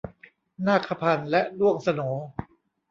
นาคพันธุ์และด้วงโสน